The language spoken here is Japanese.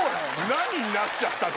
何になっちゃったの⁉